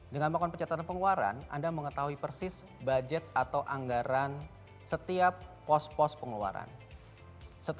dengan menggunakan pencatatan pengeluaran anda mengetahui persis budget atau harga pengeluaran anda